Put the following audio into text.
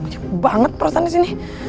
banyak banget perasaan di sini